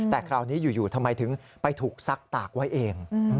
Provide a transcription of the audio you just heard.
แต่คราวนี้อยู่ทำไมถึงไปถูกซักตากไว้เอง